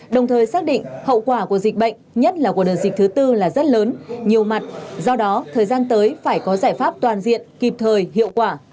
đồng thời xác định hậu quả của dịch bệnh nhất là của đợt dịch thứ tư là rất lớn nhiều mặt do đó thời gian tới phải có giải pháp toàn diện kịp thời hiệu quả